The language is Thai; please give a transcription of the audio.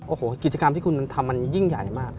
โอ้โหกิจกรรมที่คุณทำมันยิ่งใหญ่มาก